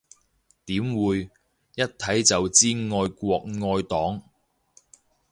點會，一睇就知愛國愛黨